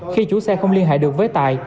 khi chủ xe không liên hệ được với tài